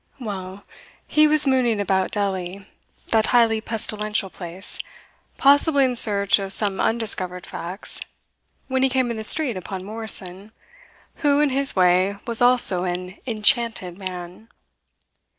Well, he was mooning about Delli, that highly pestilential place, possibly in search of some undiscovered facts, when he came in the street upon Morrison, who, in his way, was also an "enchanted" man.